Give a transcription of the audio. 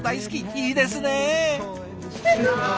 いいですね！